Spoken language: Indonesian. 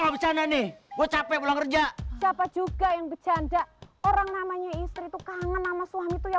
gue capek ulang kerja siapa juga yang becanda orang namanya istri itu kangen sama suami itu ya